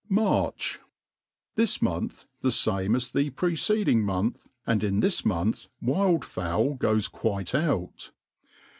Marc4]. This month the fame as the preceding month ; and in this month wild fowl goes quite out.